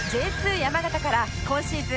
山形から今シーズン